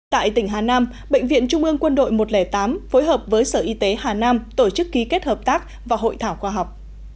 tại tỉnh hà nam bệnh viện trung ương quân đội một trăm linh tám phối hợp với sở y tế hà nam tổ chức ký kết hợp tác và hội thảo khoa học